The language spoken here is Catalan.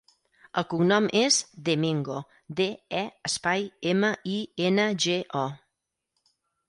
El cognom és De Mingo: de, e, espai, ema, i, ena, ge, o.